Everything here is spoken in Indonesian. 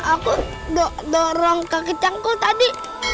aku dorong kaki cangku tadi